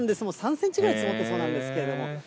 もう３センチぐらい積もってそうなんですけれども。